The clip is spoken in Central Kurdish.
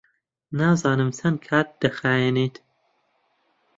نازانم چەند کات دەخایەنێت.